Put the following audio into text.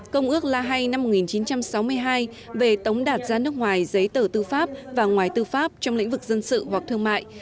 công ước la hay năm một nghìn chín trăm sáu mươi hai về tống đạt ra nước ngoài giấy tờ tư pháp và ngoài tư pháp trong lĩnh vực dân sự hoặc thương mại